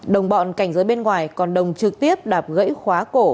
đồng bọn cảnh giới bên ngoài còn đồng trực tiếp đạp gãy khóa cổ